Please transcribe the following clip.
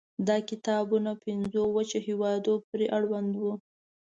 دا کتابونه پنځو وچه هېوادونو پورې اړوند وو.